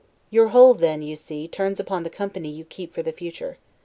Your whole then, you see, turns upon the company you keep for the future.